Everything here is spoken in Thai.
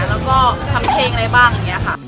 แล้วก็ทำเพลงอะไรบ้างอย่างนี้ค่ะ